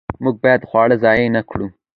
موږ باید خواړه ضایع نه کړو.